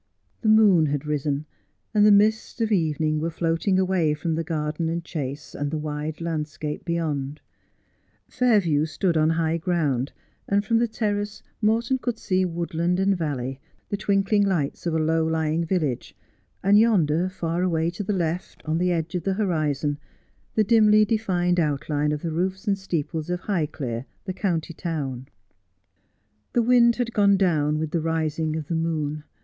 The moon had arisen, and the mists of evening were floating away from garden and chase, and the wide landscape beyond Fail view stood on high ground, and from the terrace Morton could see woodland and valley, the twinkling lights of a low lying village, and yonder, far away to the left, on the edge of the horizon, the dimly defined outline of the roofs and steeples of Highclere, the county town. The wind had gone down with the rising of the moon.